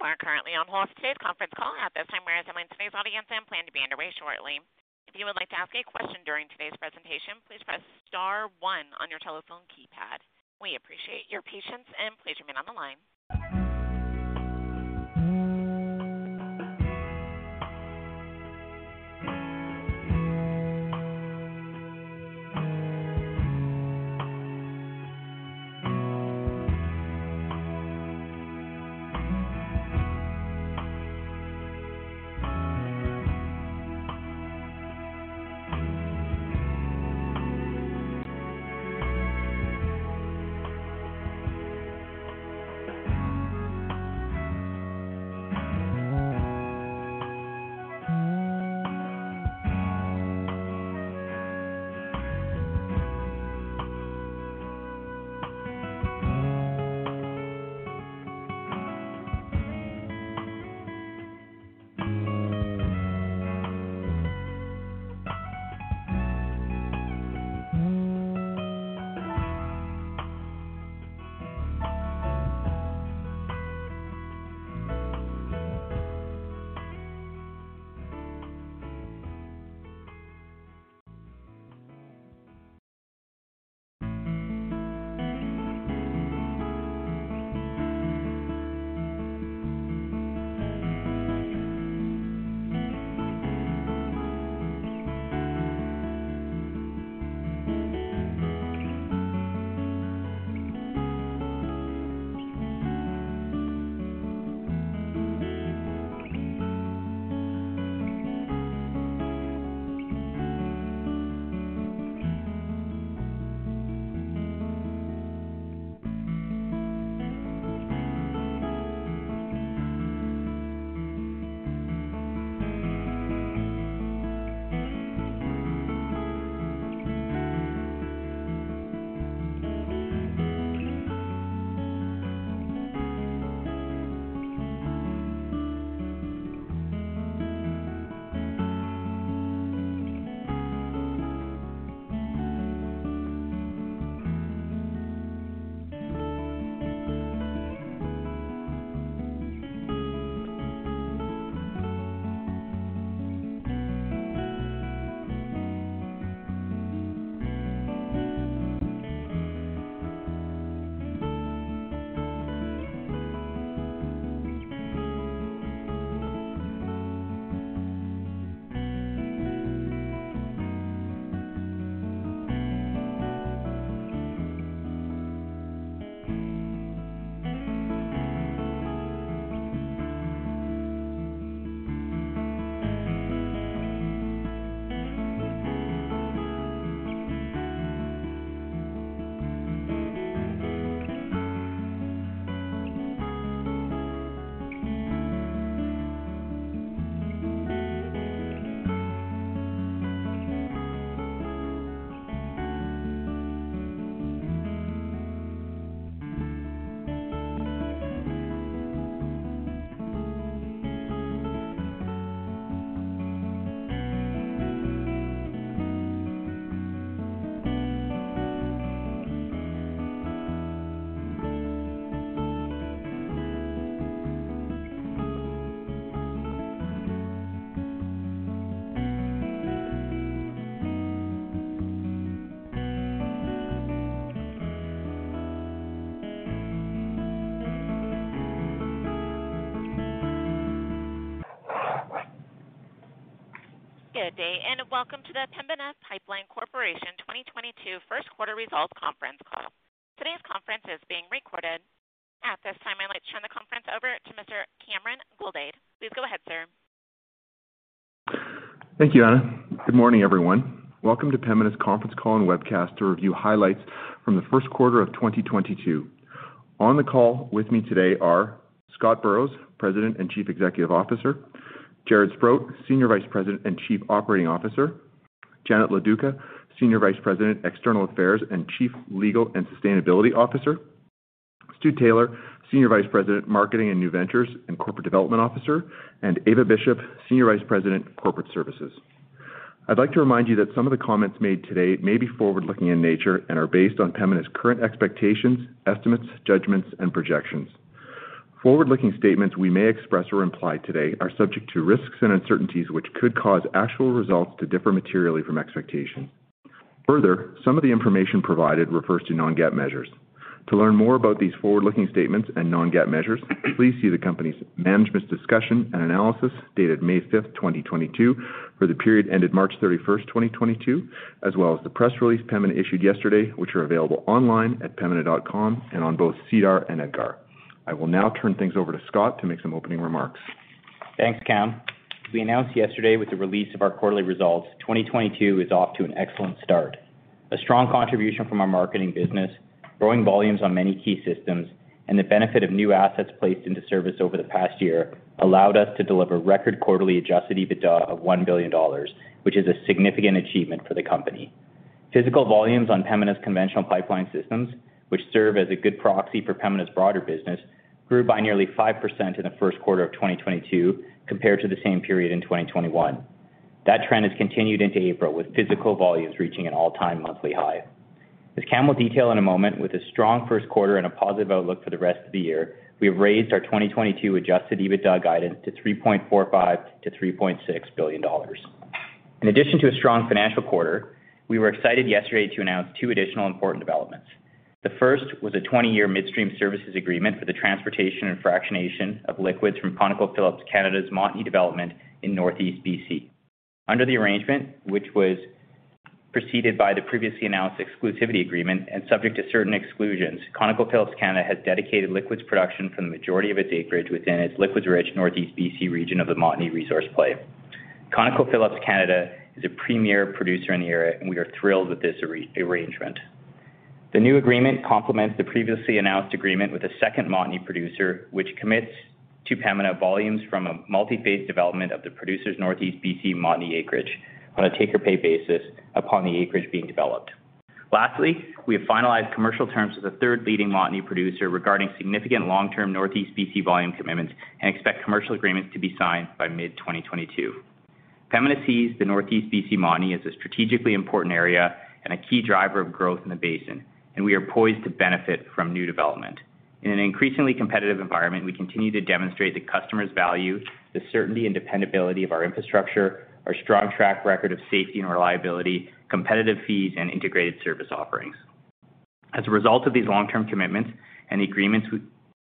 You are currently on hold for today's conference call at this time. We're assembling today's audience and plan to be underway shortly. If you would like to ask a question during today's presentation, please press star one on your telephone keypad. We appreciate your patience, and please remain on the line. Good day, and welcome to the Pembina Pipeline Corporation 2022 Q1 Results Conference Call. Today's conference is being recorded. At this time, I'd like to turn the conference over to Mr. Cameron Goldade. Please go ahead, sir. Thank you, Anna. Good morning, everyone. Welcome to Pembina's conference call and webcast to review highlights from the Q1 of 2022. On the call with me today are Scott Burrows, President and Chief Executive Officer, Jaret Sprott, Senior Vice President and Chief Operating Officer, Janet Loduca, Senior Vice President, External Affairs and Chief Legal and Sustainability Officer, Stu Taylor, Senior Vice President, Marketing and New Ventures and Corporate Development Officer, and Eva Bishop, Senior Vice President, Corporate Services. I'd like to remind you that some of the comments made today may be forward-looking in nature and are based on Pembina's current expectations, estimates, judgments, and projections. Forward-looking statements we may express or imply today are subject to risks and uncertainties, which could cause actual results to differ materially from expectations. Further, some of the information provided refers to non-GAAP measures. To learn more about these forward-looking statements and non-GAAP measures, please see the company's management's discussion and analysis dated May 5th, 2022, for the period ended March 31st, 2022, as well as the press release Pembina issued yesterday, which are available online at pembina.com and on both SEDAR and EDGAR. I will now turn things over to Scott to make some opening remarks. Thanks, Cam. We announced yesterday with the release of our quarterly results. 2022 is off to an excellent start. A strong contribution from our marketing business, growing volumes on many key systems, and the benefit of new assets placed into service over the past year allowed us to deliver record quarterly Adjusted EBITDA of 1 billion dollars, which is a significant achievement for the company. Physical volumes on Pembina's conventional pipeline systems, which serve as a good proxy for Pembina's broader business, grew by nearly 5% in the Q1 of 2022 compared to the same period in 2021. That trend has continued into April, with physical volumes reaching an all-time monthly high. As Cam will detail in a moment with a strong Q1 and a positive outlook for the rest of the year, we have raised our 2022 Adjusted EBITDA guidance to CAD 3.45 billion-CAD 3.6 billion. In addition to a strong financial Q1, we were excited yesterday to announce two additional important developments. The first was a 20-year midstream services agreement for the transportation and fractionation of liquids from ConocoPhillips Canada's Montney development in Northeast BC. Under the arrangement, which was preceded by the previously announced exclusivity agreement and subject to certain exclusions, ConocoPhillips Canada has dedicated liquids production from the majority of its acreage within its liquids-rich Northeast BC region of the Montney resource play. ConocoPhillips Canada is a premier producer in the area and we are thrilled with this arrangement. The new agreement complements the previously announced agreement with a second Montney producer, which commits to Pembina volumes from a multi-phase development of the producer's Northeast BC Montney acreage on a take-or-pay basis upon the acreage being developed. Lastly, we have finalized commercial terms with a third leading Montney producer regarding significant long-term Northeast BC volume commitments and expect commercial agreements to be signed by mid-2022. Pembina sees the Northeast BC Montney as a strategically important area and a key driver of growth in the basin, and we are poised to benefit from new development. In an increasingly competitive environment, we continue to demonstrate the customer's value, the certainty and dependability of our infrastructure, our strong track record of safety and reliability, competitive fees, and integrated service offerings. As a result of these long-term commitments and the agreements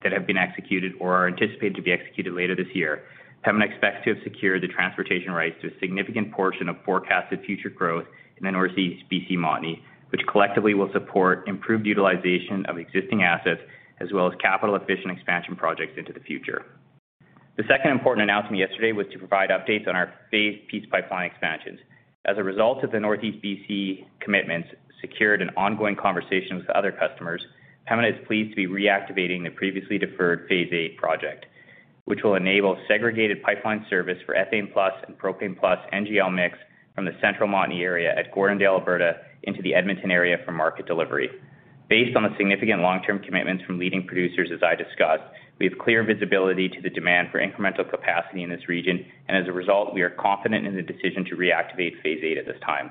that have been executed or are anticipated to be executed later this year, Pembina expects to have secured the transportation rights to a significant portion of forecasted future growth in the Northeast BC Montney, which collectively will support improved utilization of existing assets as well as capital-efficient expansion projects into the future. The second important announcement yesterday was to provide updates on our phased Peace Pipeline expansions. As a result of the Northeast BC commitments secured in ongoing conversations with other customers, Pembina is pleased to be reactivating the previously deferred phase VIII project, which will enable segregated pipeline service /for ethane plus and propane plus NGL mix from the central Montney area at Gordondale, Alberta into the Edmonton area for market delivery. Based on the significant long-term commitments from leading producers as I discussed, we have clear visibility to the demand for incremental capacity in this region, and as a result, we are confident in the decision to reactivate phase VIII at this time.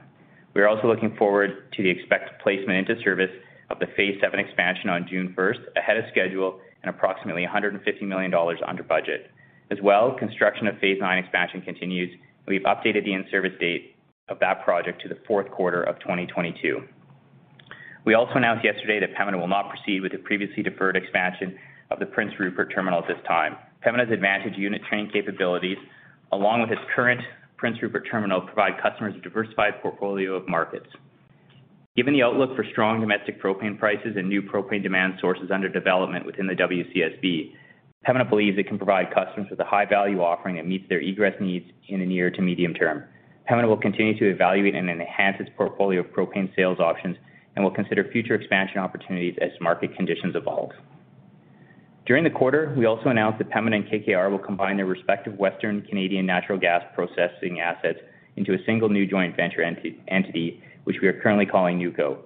We are also looking forward to the expected placement into service of the phase VII expansion on June first, ahead of schedule and approximately 150 million dollars under budget. As well, construction of phase IX expansion continues. We've updated the in-service date of that project to the Q4 of 2022. We also announced yesterday that Pembina will not proceed with the previously deferred expansion of the Prince Rupert Terminal at this time. Pembina's advantaged unit train capabilities, along with its current Prince Rupert Terminal, provide customers a diversified portfolio of markets. Given the outlook for strong domestic propane prices and new propane demand sources under development within the WCSB, Pembina believes it can provide customers with a high-value offering that meets their egress needs in the near to medium term. Pembina will continue to evaluate and enhance its portfolio of propane sales options and will consider future expansion opportunities as market conditions evolve. During the Q1, we also announced that Pembina and KKR will combine their respective Western Canadian natural gas processing assets into a single new joint venture entity, which we are currently calling NewCo.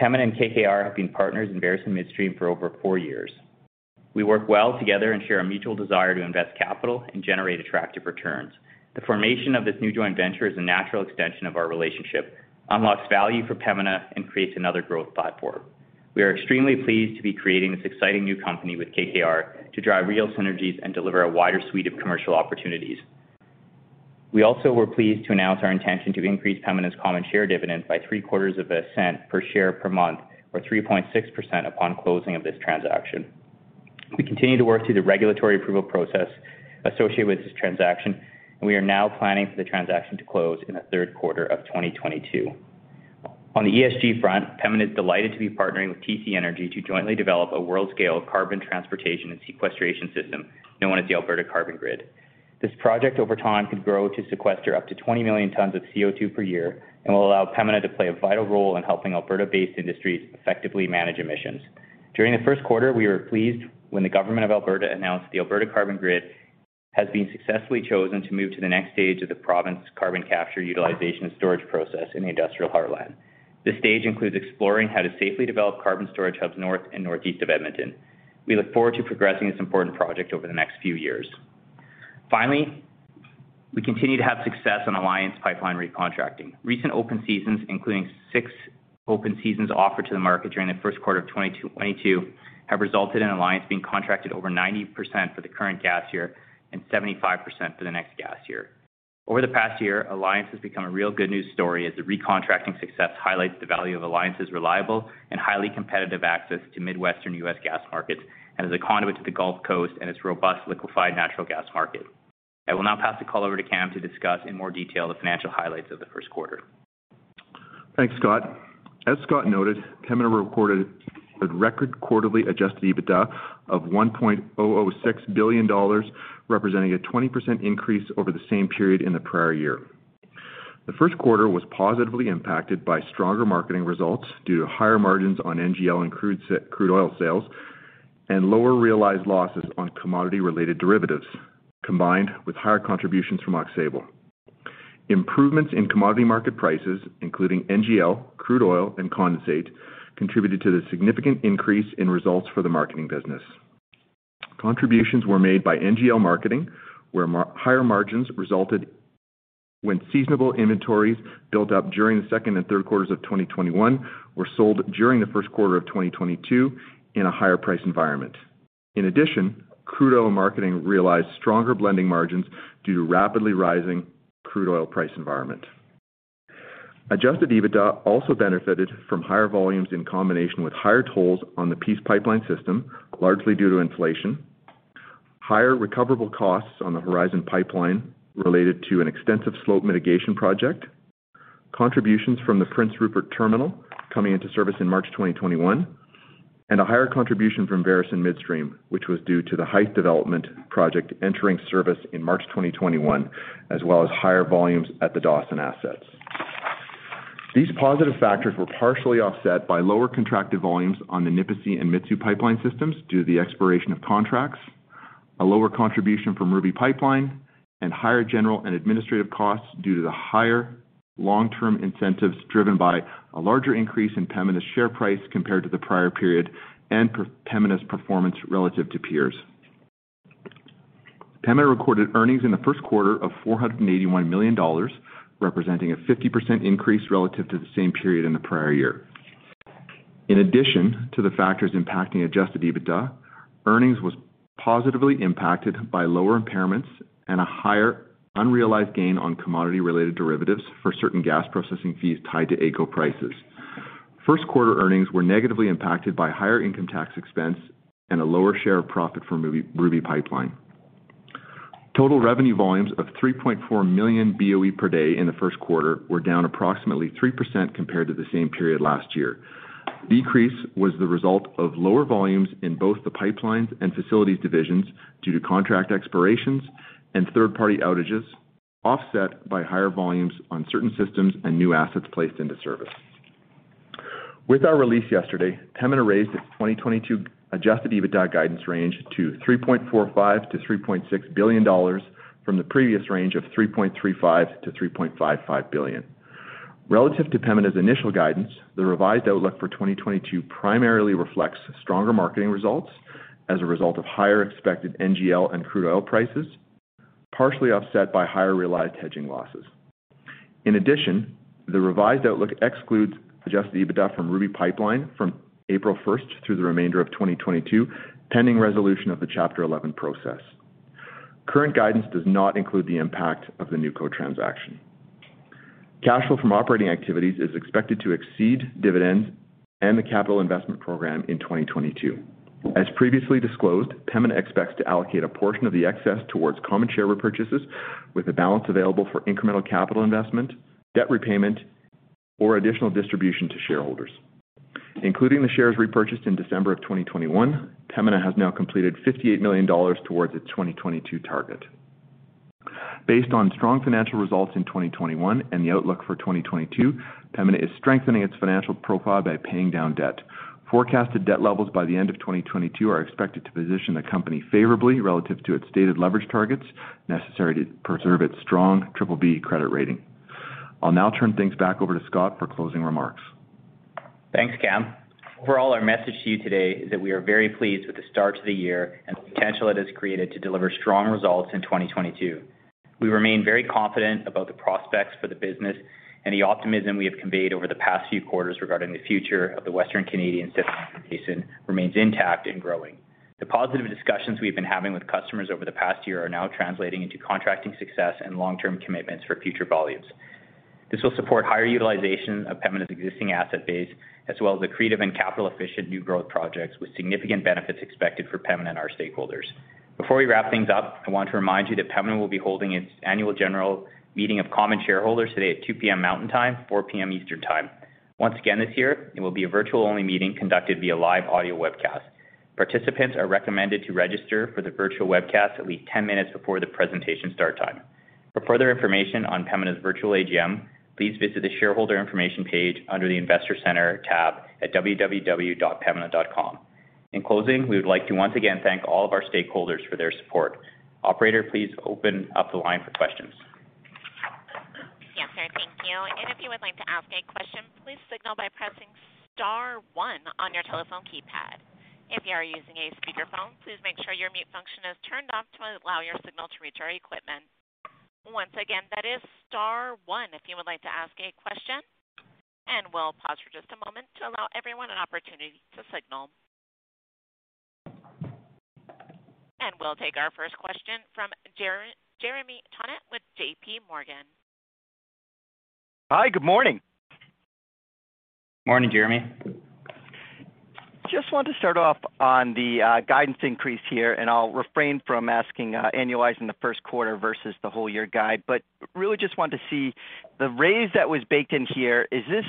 Pembina and KKR have been partners in various midstream for over four years. We work well together and share a mutual desire to invest capital and generate attractive returns. The formation of this new joint venture is a natural extension of our relationship, unlocks value for Pembina, and creates another growth platform. We are extremely pleased to be creating this exciting new company with KKR to drive real synergies and deliver a wider suite of commercial opportunities. We also were pleased to announce our intention to increase Pembina's common share dividend by three Q1s of a CAD 0.01 Per share per month, or 3.6% upon closing of this transaction. We continue to work through the regulatory approval process associated with this transaction, and we are now planning for the transaction to close in the Q3 of 2022. On the ESG front, Pembina is delighted to be partnering with TC Energy to jointly develop a world-scale carbon transportation and sequestration system known as the Alberta Carbon Grid. This project, over time, could grow to sequester up to 20 million tons of CO₂ per year and will allow Pembina to play a vital role in helping Alberta-based industries effectively manage emissions. During the Q1, we were pleased when the Government of Alberta announced the Alberta Carbon Grid has been successfully chosen to move to the next stage of the province carbon capture utilization storage process in the Industrial Heartland. This stage includes exploring how to safely develop carbon storage hubs north and northeast of Edmonton. We look forward to progressing this important project over the next few years. Finally, we continue to have success on Alliance Pipeline recontracting. Recent open seasons, including six open seasons offered to the market during the Q1 of 2022, have resulted in Alliance being contracted over 90% for the current gas year and 75% for the next gas year. Over the past year, Alliance has become a real good news story as the recontracting success highlights the value of Alliance's reliable and highly competitive access to Midwestern U.S. gas markets as a conduit to the Gulf Coast and its robust liquefied natural gas market. I will now pass the call over to Cam to discuss in more detail the financial highlights of the Q1. Thanks, Scott. As Scott noted, Pembina reported a record quarterly Adjusted EBITDA of 1.006 billion dollars, representing a 20% increase over the same period in the prior year. The Q1 was positively impacted by stronger marketing results due to higher margins on NGL and crude oil sales and lower realized losses on commodity-related derivatives, combined with higher contributions from Oxbow. Improvements in commodity market prices, including NGL, crude oil, and condensate, contributed to the significant increase in results for the marketing business. Contributions were made by NGL Marketing, where higher margins resulted when seasonal inventories built up during the Q2 and Q3 of 2021 were sold during the Q1 of 2022 in a higher price environment. In addition, crude oil marketing realized stronger blending margins due to rapidly rising crude oil price environment. Adjusted EBITDA also benefited from higher volumes in combination with higher tolls on the Peace Pipeline system, largely due to inflation. Higher recoverable costs on the Horizon Pipeline related to an extensive slope mitigation project. Contributions from the Prince Rupert Terminal coming into service in March 2021, and a higher contribution from Veresen Midstream, which was due to the Hythe development project entering service in March 2021, as well as higher volumes at the Dawson assets. These positive factors were partially offset by lower contracted volumes on the Nipisi and Mitsue pipeline systems due to the expiration of contracts, a lower contribution from Ruby Pipeline, and higher general and administrative costs due to the higher long-term incentives driven by a larger increase in Pembina's share price compared to the prior period and Pembina's performance relative to peers. Pembina recorded earnings in the Q1 of 481 million dollars, representing a 50% increase relative to the same period in the prior year. In addition to the factors impacting Adjusted EBITDA, earnings was positively impacted by lower impairments and a higher unrealized gain on commodity-related derivatives for certain gas processing fees tied to AECO prices. Q1 earnings were negatively impacted by higher income tax expense and a lower share of profit from Ruby Pipeline. Total revenue volumes of 3.4 million BOE per day in the Q1 were down approximately 3% compared to the same period last year. Decrease was the result of lower volumes in both the pipelines and facilities divisions due to contract expirations and third-party outages, offset by higher volumes on certain systems and new assets placed into service. With our release yesterday, Pembina raised its 2022 Adjusted EBITDA guidance range to 3.45 billion-3.6 billion dollars from the previous range of 3.35 billion-3.55 billion. Relative to Pembina's initial guidance, the revised outlook for 2022 primarily reflects stronger marketing results as a result of higher expected NGL and crude oil prices, partially offset by higher realized hedging losses. In addition, the revised outlook excludes Adjusted EBITDA from Ruby Pipeline from April 1st through the remainder of 2022, pending resolution of the Chapter 11 process. Current guidance does not include the impact of the Newco transaction. Cash flow from operating activities is expected to exceed dividends and the capital investment program in 2022. As previously disclosed, Pembina expects to allocate a portion of the excess towards common share repurchases with the balance available for incremental capital investment, debt repayment, or additional distribution to shareholders. Including the shares repurchased in December of 2021, Pembina has now completed 58 million dollars towards its 2022 target. Based on strong financial results in 2021 and the outlook for 2022, Pembina is strengthening its financial profile by paying down debt. Forecasted debt levels by the end of 2022 are expected to position the company favorably relative to its stated leverage targets necessary to preserve its strong BBB credit rating. I'll now turn things back over to Scott for closing remarks. Thanks, Cam. Overall, our message to you today is that we are very pleased with the start to the year and the potential it has created to deliver strong results in 2022. We remain very confident about the prospects for the business and the optimism we have conveyed over the past few Q1s regarding the future of the Western Canadian Sedimentary Basin remains intact and growing. The positive discussions we've been having with customers over the past year are now translating into contracting success and long-term commitments for future volumes. This will support higher utilization of Pembina's existing asset base, as well as the creative and capital-efficient new growth projects with significant benefits expected for Pembina and our stakeholders. Before we wrap things up, I want to remind you that Pembina will be holding its annual general meeting of common shareholders today at 2:00 P.M. Mountain Time, 4:00 P.M. Eastern Time. Once again, this year, it will be a virtual-only meeting conducted via live audio webcast. Participants are recommended to register for the virtual webcast at least 10 minutes before the presentation start time. For further information on Pembina's virtual AGM, please visit the shareholder information page under the Investor Center tab at www.pembina.com. In closing, we would like to once again thank all of our stakeholders for their support. Operator, please open up the line for questions. Yes, sir. Thank you. If you would like to ask a question, please signal by pressing star one on your telephone keypad. If you are using a speakerphone, please make sure your mute function is turned off to allow your signal to reach our equipment. Once again, that is star one if you would like to ask a question, and we'll pause for just a moment to allow everyone an opportunity to signal. We'll take our first question from Jeremy Tonet with JPMorgan. Hi, good morning. Morning, Jeremy. Just wanted to start off on the guidance increase here, and I'll refrain from asking annualizing the Q1 versus the whole year guide. Really just wanted to see the raise that was baked in here. Is this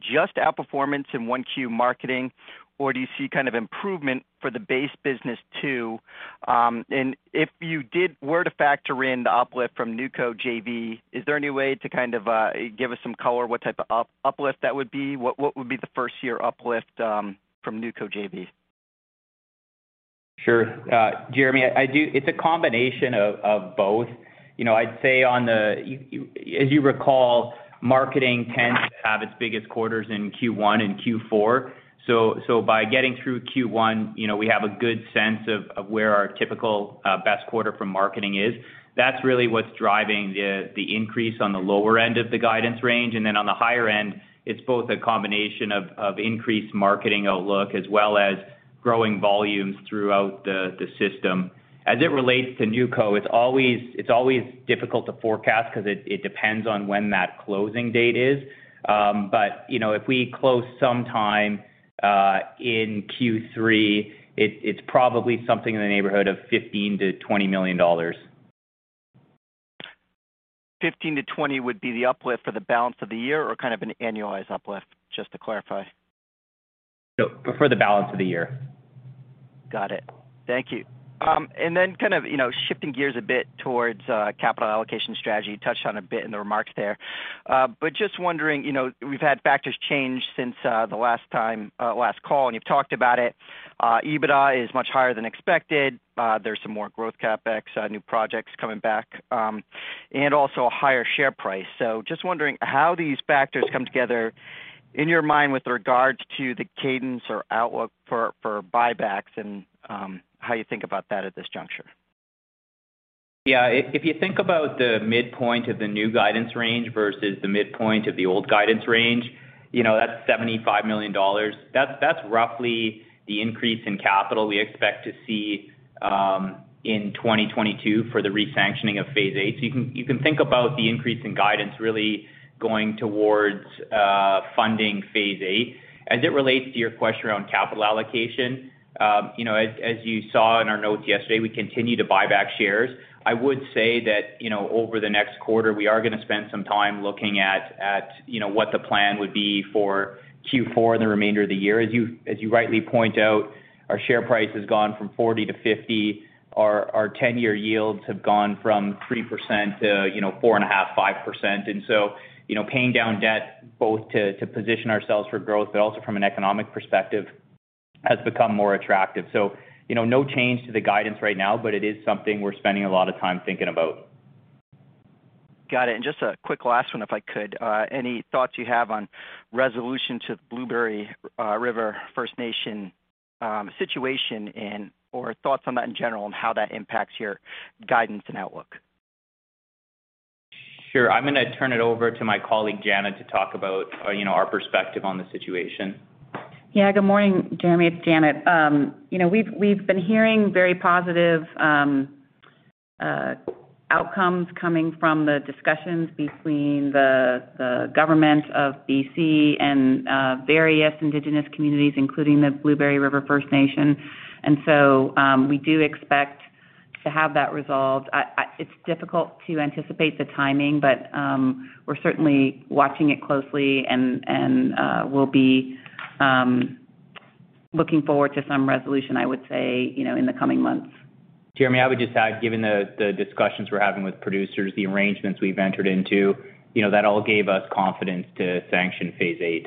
just outperformance in 1Q marketing, or do you see kind of improvement for the base business too? If you were to factor in the uplift from Newco JV, is there any way to kind of give us some color what type of uplift that would be? What would be the first-year uplift from Newco JV? Sure. Jeremy, it's a combination of both. You know, as you recall, marketing tends to have its biggest Q1s in Q1 and Q4. So, by getting through Q1, you know, we have a good sense of where our typical best Q1 for marketing is. That's really what's driving the increase on the lower end of the guidance range. Then on the higher end, it's both a combination of increased marketing outlook as well as growing volumes throughout the system. As it relates to NewCo, it's always difficult to forecast 'cause it depends on when that closing date is. You know, if we close some time in Q3, it's probably something in the neighborhood of 15 million-20 million dollars. 15-20 would be the uplift for the balance of the year or kind of an annualized uplift? Just to clarify. No, for the balance of the year. Got it. Thank you. Kind of, you know, shifting gears a bit towards capital allocation strategy. You touched on a bit in the remarks there. Just wondering, you know, we've had factors change since the last time, last call, and you've talked about it. EBITDA is much higher than expected. There's some more growth CapEx, new projects coming back, and also a higher share price. Just wondering how these factors come together in your mind with regards to the cadence or outlook for buybacks and how you think about that at this juncture. Yeah. If you think about the midpoint of the new guidance range versus the midpoint of the old guidance range, you know, that's 75 million dollars. That's roughly the increase in capital we expect to see in 2022 for the re-sanctioning of phase VIII. You can think about the increase in guidance really going towards funding phase VIII. As it relates to your question around capital allocation, you know, as you saw in our notes yesterday, we continue to buy back shares. I would say that, you know, over the next Q1, we are gonna spend some time looking at, you know, what the plan would be for Q4 and the remainder of the year. As you rightly point out, our share price has gone from 40-50. Our 10-year yields have gone from 3% to, you know, 4.5%. You know, paying down debt, both to position ourselves for growth, but also from an economic perspective, has become more attractive. You know, no change to the guidance right now, but it is something we're spending a lot of time thinking about. Got it. Just a quick last one, if I could. Any thoughts you have on resolution to the Blueberry River First Nations situation and/or thoughts on that in general and how that impacts your guidance and outlook? Sure. I'm gonna turn it over to my colleague, Janet, to talk about, you know, our perspective on the situation. Yeah, good morning, Jeremy. It's Janet. You know, we've been hearing very positive outcomes coming from the discussions between the government of BC and various indigenous communities, including the Blueberry River First Nations. We do expect to have that resolved. It's difficult to anticipate the timing, but we're certainly watching it closely and we'll be looking forward to some resolution, I would say, you know, in the coming months. Jeremy, I would just add, given the discussions we're having with producers, the arrangements we've entered into, you know, that all gave us confidence to sanction phase VIII.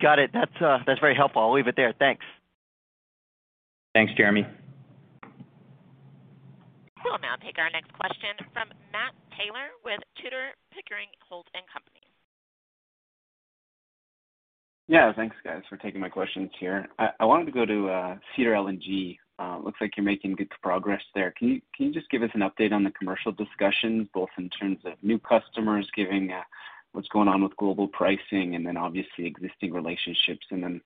Got it. That's very helpful. I'll leave it there. Thanks. Thanks, Jeremy. We'll now take our next question from Matt Taylor with Tudor, Pickering, Holt & Co. Yeah, thanks, guys, for taking my questions here. I wanted to go to Cedar LNG. Looks like you're making good progress there. Can you just give us an update on the commercial discussions, both in terms of new customers given what's going on with global pricing and then obviously existing relationships, and then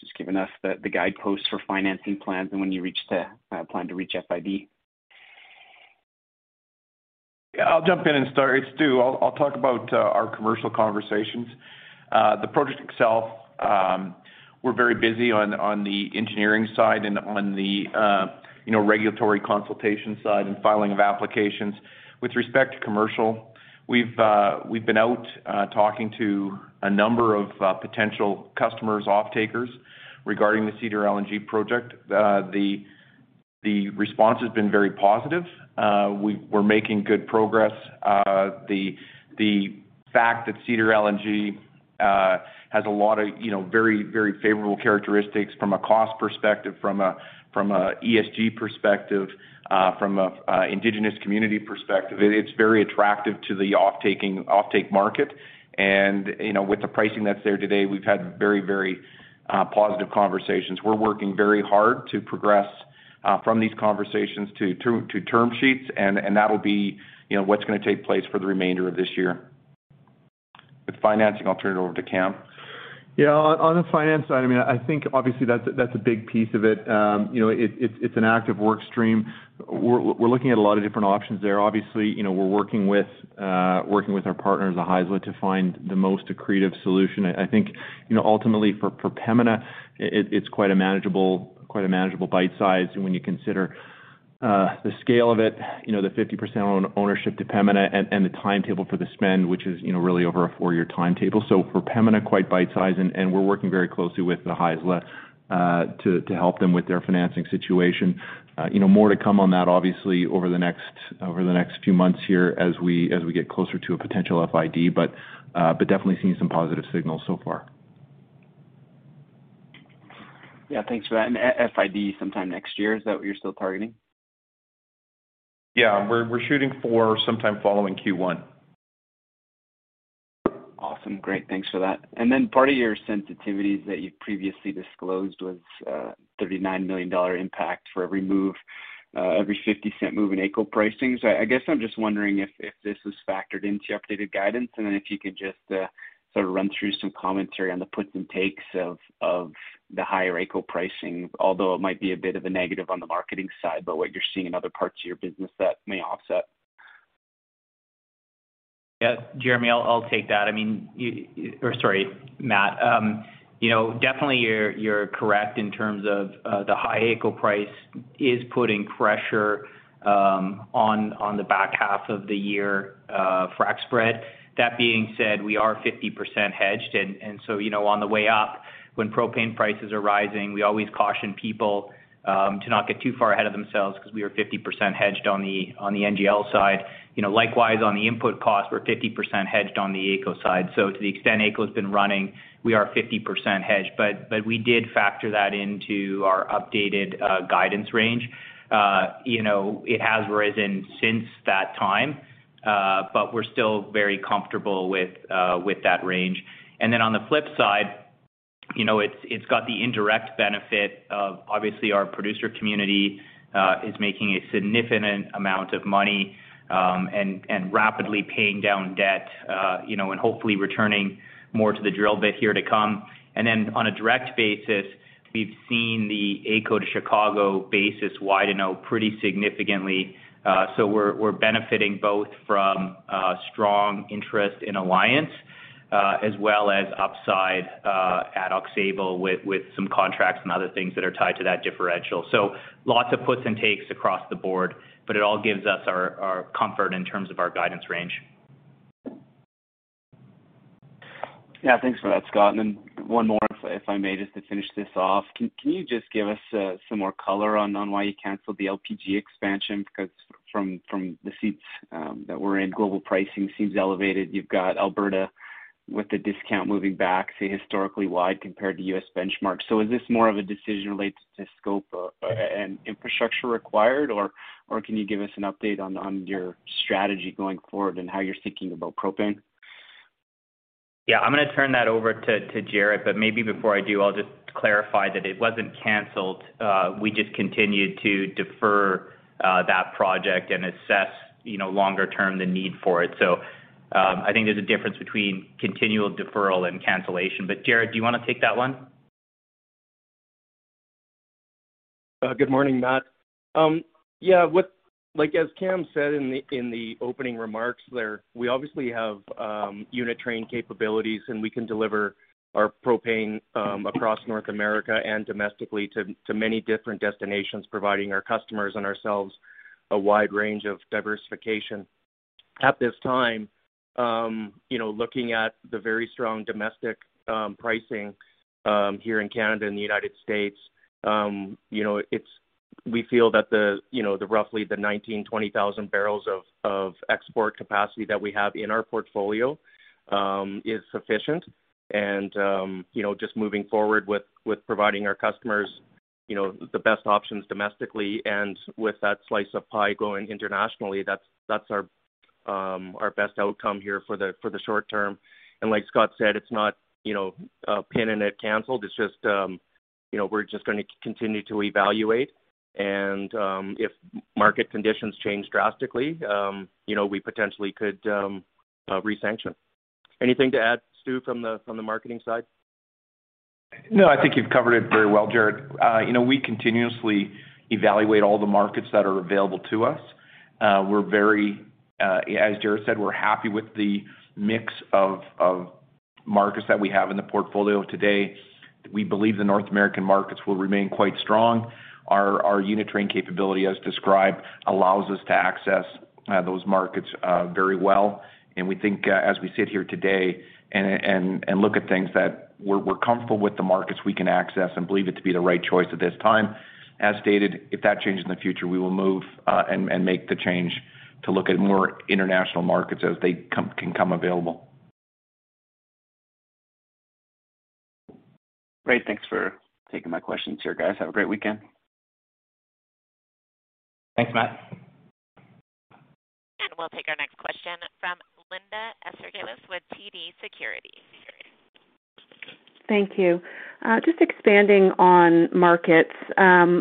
just giving us the guideposts for financing plans and when you plan to reach FID? Yeah, I'll jump in and start. It's Stu. I'll talk about our commercial conversations. The project itself, we're very busy on the engineering side and on the regulatory consultation side and filing of applications. With respect to commercial, we've been out talking to a number of potential customers, offtakers regarding the Cedar LNG project. The response has been very positive. We're making good progress. The fact that Cedar LNG has a lot of very favorable characteristics from a cost perspective, from an ESG perspective, from an Indigenous community perspective, it's very attractive to the offtake market. You know, with the pricing that's there today, we've had very positive conversations. We're working very hard to progress from these conversations to term sheets, and that'll be, you know, what's gonna take place for the remainder of this year. With financing, I'll turn it over to Cam. Yeah. On the finance side, I mean, I think obviously that's a big piece of it. You know, it's an active work stream. We're looking at a lot of different options there. Obviously, you know, we're working with our partners at Haisla to find the most accretive solution. I think, you know, ultimately for Pembina, it's quite a manageable bite size. When you consider the scale of it, you know, the 50% ownership to Pembina and the timetable for the spend, which is, you know, really over a four-year timetable. For Pembina, quite bite-size, and we're working very closely with Haisla to help them with their financing situation. You know, more to come on that obviously over the next few months here as we get closer to a potential FID. Definitely seeing some positive signals so far. Yeah, thanks for that. FID sometime next year, is that what you're still targeting? Yeah. We're shooting for sometime following Q1. Awesome. Great. Thanks for that. Then part of your sensitivities that you previously disclosed was 39 million dollar impact for every move, every 0.50 Move in AECO pricing. I guess I'm just wondering if this was factored into your updated guidance, and then if you could just sort of run through some commentary on the puts and takes of the higher AECO pricing, although it might be a bit of a negative on the marketing side, but what you're seeing in other parts of your business that may offset. Yeah, Jeremy, I'll take that. I mean, or sorry, Matt. You know, definitely, you're correct in terms of the high AECO price is putting pressure on the back half of the year frac spread. That being said, we are 50% hedged. You know, on the way up, when propane prices are rising, we always caution people to not get too far ahead of themselves 'cause we are 50% hedged on the NGL side. You know, likewise, on the input cost, we're 50% hedged on the AECO side. So to the extent AECO's been running, we are 50% hedged. We did factor that into our updated guidance range. You know, it has risen since that time, but we're still very comfortable with that range. On the flip side, you know, it's got the indirect benefit of obviously our producer community is making a significant amount of money, and rapidly paying down debt, you know, and hopefully returning more to the drill bit here to come. On a direct basis, we've seen the AECO to Chicago basis widen pretty significantly. We're benefiting both from strong interest in Alliance, as well as upside at Aux Sable with some contracts and other things that are tied to that differential. Lots of puts and takes across the board, but it all gives us our comfort in terms of our guidance range. Yeah, thanks for that, Scott. Then one more, if I may, just to finish this off. Can you just give us some more color on why you canceled the LPG expansion? Because from the seats that we're in, global pricing seems elevated. You've got Alberta with the discount moving back, say, historically wide compared to U.S. benchmarks. Is this more of a decision related to scope, and infrastructure required, or can you give us an update on your strategy going forward and how you're thinking about propane? Yeah. I'm gonna turn that over to Jaret, but maybe before I do, I'll just clarify that it wasn't canceled. We just continued to defer that project and assess, you know, longer term the need for it. I think there's a difference between continual deferral and cancellation. Jaret, do you wanna take that one? Good morning, Matt. Yeah. Like, as Cam said in the opening remarks there, we obviously have unit train capabilities, and we can deliver our propane across North America and domestically to many different destinations, providing our customers and ourselves a wide range of diversification. At this time, you know, looking at the very strong domestic pricing here in Canada and the United States, you know, we feel that, you know, the roughly 19,000-20,000 barrels of export capacity that we have in our portfolio is sufficient. Just moving forward with providing our customers the best options domestically and with that slice of pie going internationally, that's our best outcome here for the short term. Like Scott said, it's not, you know, binned, and it's not canceled. It's just, you know, we're just gonna continue to evaluate. If market conditions change drastically, you know, we potentially could re-sanction. Anything to add, Stu, from the marketing side? No, I think you've covered it very well, Jaret. You know, we continuously evaluate all the markets that are available to us. We're very, as Jaret said, we're happy with the mix of markets that we have in the portfolio today. We believe the North American markets will remain quite strong. Our unit train capability, as described, allows us to access those markets very well. We think, as we sit here today and look at things that we're comfortable with the markets we can access and believe it to be the right choice at this time. As stated, if that changes in the future, we will move and make the change to look at more international markets as they come available. Great. Thanks for taking my questions here, guys. Have a great weekend. Thanks, Matt. We'll take our next question from Linda Ezergailis with TD Securities. Thank you. Just expanding on markets.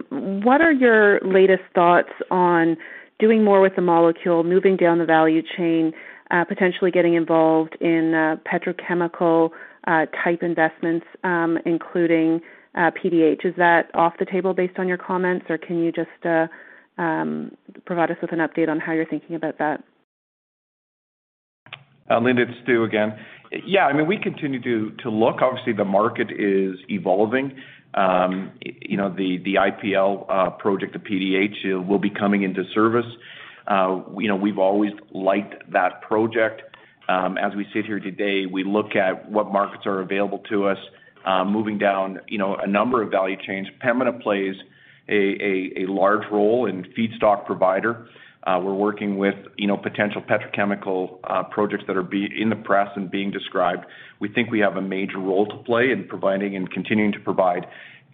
What are your latest thoughts on doing more with the molecule, moving down the value chain, potentially getting involved in, petrochemical type investments, including, PDH? Is that off the table based on your comments, or can you just provide us with an update on how you're thinking about that? Linda, it's Stu again. Yeah, I mean, we continue to look. Obviously, the market is evolving. You know, the IPL project of PDH will be coming into service. You know, we've always liked that project. As we sit here today, we look at what markets are available to us, moving down, you know, a number of value chains. Pembina plays A large role in feedstock provider. We're working with, you know, potential petrochemical projects that are in the press and being described. We think we have a major role to play in providing and continuing to provide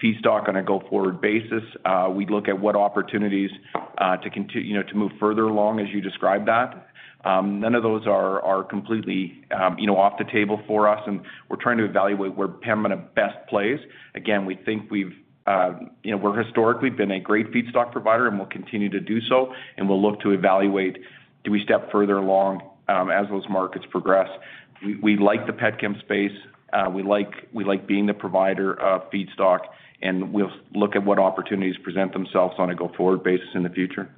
feedstock on a go-forward basis. We look at what opportunities to you know, to move further along as you describe that. None of those are completely, you know, off the table for us, and we're trying to evaluate where Pembina best plays. Again, we think we've, you know, we're historically been a great feedstock provider, and we'll continue to do so, and we'll look to evaluate, do we step further along, as those markets progress. We like the pet chem space. We like being the provider of feedstock, and we'll look at what opportunities present themselves on a go-forward basis in the future.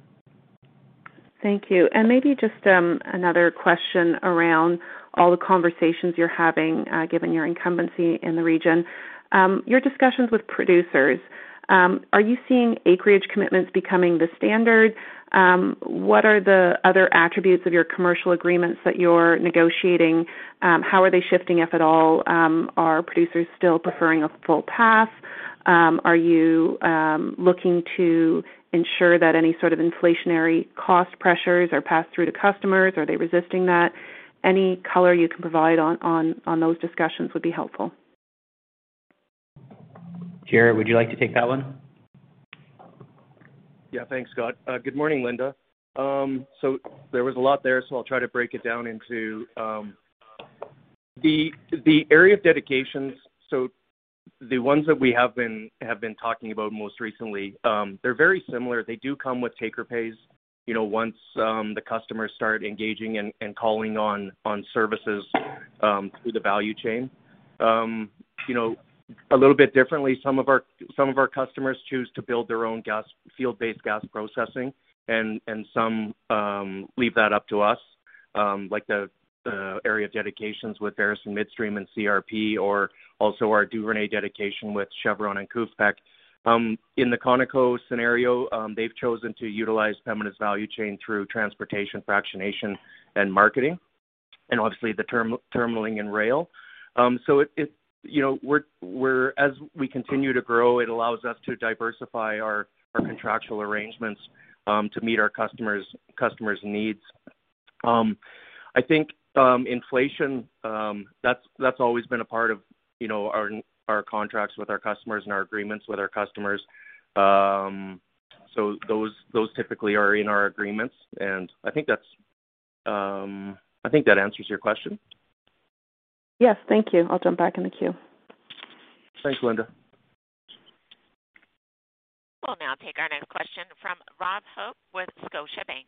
Thank you. Maybe just another question around all the conversations you're having, given your incumbency in the region. Your discussions with producers, are you seeing acreage commitments becoming the standard? What are the other attributes of your commercial agreements that you're negotiating? How are they shifting, if at all? Are producers still preferring a full pass? Are you looking to ensure that any sort of inflationary cost pressures are passed through to customers? Are they resisting that? Any color you can provide on those discussions would be helpful. Jaret, would you like to take that one? Yeah. Thanks, Scott. Good morning, Linda. There was a lot there, so I'll try to break it down into the area of dedications, the ones that we have been talking about most recently, they're very similar. They do come with take-or-pay, you know, once the customers start engaging and calling on services through the value chain. You know, a little bit differently, some of our customers choose to build their own gas field-based gas processing and some leave that up to us, like the area of dedications with Veresen Midstream and CRP or also our Duvernay dedication with Chevron and KUFPEC. In the ConocoPhillips scenario, they've chosen to utilize Pembina's value chain through transportation, fractionation and marketing, and obviously the terminaling and rail. You know, as we continue to grow, it allows us to diversify our contractual arrangements to meet our customers' needs. I think inflation, that's always been a part of, you know, our contracts with our customers and our agreements with our customers. Those typically are in our agreements, and I think that answers your question. Yes. Thank you. I'll jump back in the queue. Thanks, Linda. We'll now take our next question from Rob Hope with Scotiabank.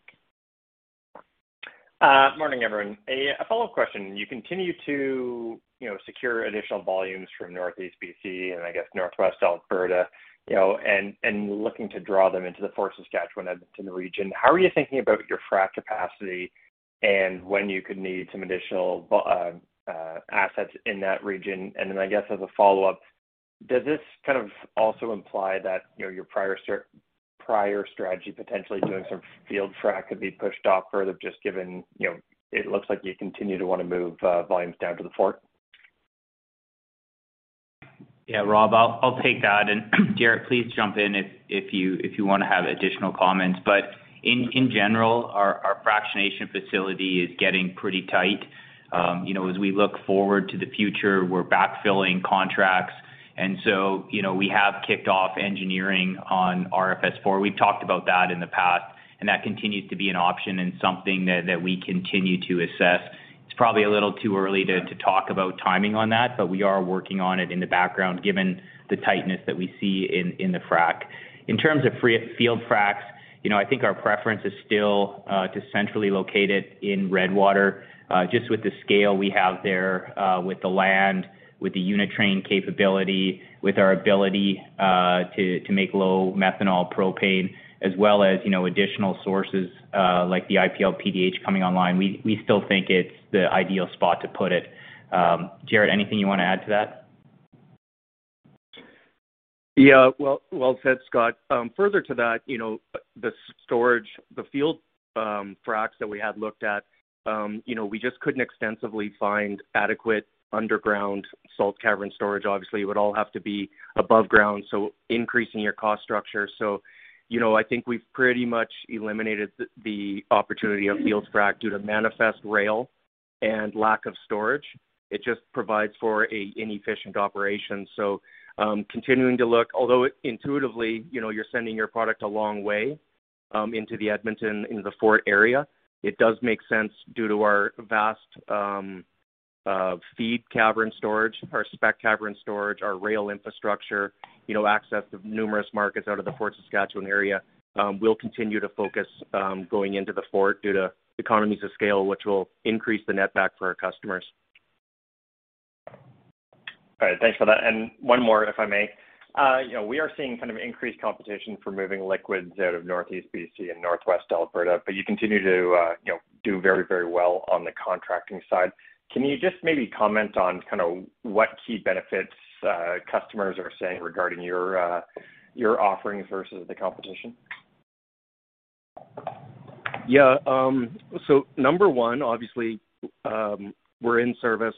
Morning, everyone. A follow-up question. You continue to, you know, secure additional volumes from Northeast BC and I guess Northwest Alberta, you know, and looking to draw them into the Fort Saskatchewan Edmonton region. How are you thinking about your frac capacity and when you could need some additional assets in that region? And then I guess as a follow-up, does this kind of also imply that, you know, your prior strategy potentially doing some field frac could be pushed off further just given, you know, it looks like you continue to wanna move volumes down to the Fort? Yeah. Rob, I'll take that. Jaret, please jump in if you wanna have additional comments. In general, our fractionation facility is getting pretty tight. You know, as we look forward to the future, we're backfilling contracts. You know, we have kicked off engineering on RFS IV. We've talked about that in the past, and that continues to be an option and something that we continue to assess. It's probably a little too early to talk about timing on that, but we are working on it in the background given the tightness that we see in the frac. In terms of greenfield fracs, you know, I think our preference is still to be centrally located in Redwater, just with the scale we have there, with the land, with the unit train capability, with our ability to make low methanol propane as well as, you know, additional sources like the IPL PDH coming online. We still think it's the ideal spot to put it. Jaret, anything you wanna add to that? Yeah. Well said, Scott. Further to that, you know, the storage, the field fracs that we had looked at, you know, we just couldn't extensively find adequate underground salt cavern storage. Obviously, it would all have to be above ground, so increasing your cost structure. You know, I think we've pretty much eliminated the opportunity of field frac due to manifest rail and lack of storage. It just provides for an inefficient operation. Continuing to look, although intuitively, you know, you're sending your product a long way into the Edmonton, into the Fort area, it does make sense due to our vast feed cavern storage, our spec cavern storage, our rail infrastructure, you know, access to numerous markets out of the Fort Saskatchewan area. We'll continue to focus, going into the Fort due to economies of scale, which will increase the netback for our customers. All right. Thanks for that. One more, if I may. You know, we are seeing kind of increased competition for moving liquids out of Northeast BC and Northwest Alberta, but you continue to, you know, do very, very well on the contracting side. Can you just maybe comment on kind of what key benefits customers are saying regarding your offerings versus the competition? Yeah. Number one, obviously, we're in service,